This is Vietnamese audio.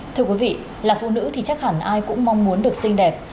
thưa quý vị là phụ nữ thì chắc hẳn ai cũng mong muốn được xinh đẹp